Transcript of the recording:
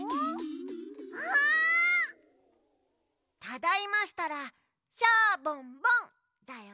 ただいましたら「シャボンボン」だよ。